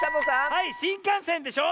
はいしんかんせんでしょ！